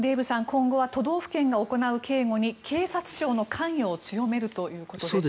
今後は都道府県が行う警護に警察庁の関与を強めるということです。